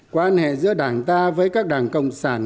quan hệ giữa đảng ta với các đảng cộng sản